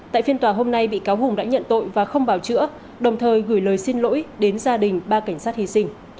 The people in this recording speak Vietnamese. tại phiên tòa hôm nay bị cáo hùng đã nhận tội và không bảo chữa đồng thời gửi lời xin lỗi đến gia đình ba cảnh sát hy sinh